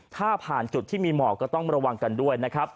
ถ้าผ่านจุดที่มีหมอกก็ต้องระวังกันด้วยนะครับ